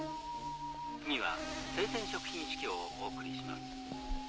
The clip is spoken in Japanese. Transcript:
次は生鮮食品市況をお送りします。